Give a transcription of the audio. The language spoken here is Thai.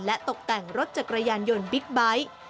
และตกแต่งรถจักรยานยนต์บิ๊กไบท์